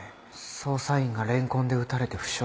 捜査員がレンコンで撃たれて負傷したって。